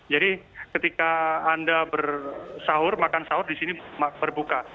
jadi ketika anda bersahur makan sahur di sini berbuka